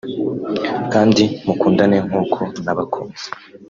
kandi mukundane nk’uko nabakunze